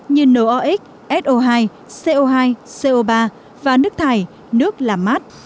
những nguồn liệu như nox so hai co hai co ba và nước thải nước làm mát